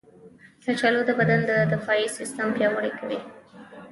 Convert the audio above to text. کچالو د بدن دفاعي سیستم پیاوړی کوي.